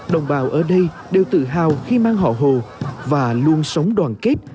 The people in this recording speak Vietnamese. đồng bào ở đây đều tự hào khi mang họ hồ và luôn sống đoàn kết